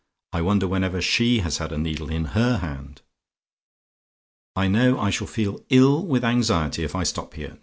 I wonder whenever she has a needle in HER hand! "I know I shall feel ill with anxiety if I stop here.